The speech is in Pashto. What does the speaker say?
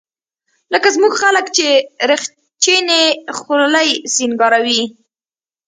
لکه زموږ خلق چې رخچينې خولۍ سينګاروي.